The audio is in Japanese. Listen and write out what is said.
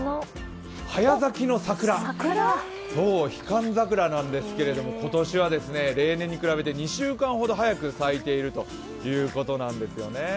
早咲きの桜、ひ寒桜なんですけど、今年は例年より２週間より早く咲いているということなんですよね。